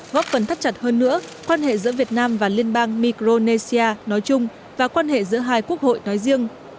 góp phần thắt chặt hơn nữa quan hệ giữa việt nam và liên bang micronesia nói chung và quan hệ giữa hai quốc hội nói riêng